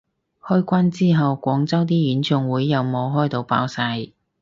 開關之後廣州啲演唱會有冇開到爆晒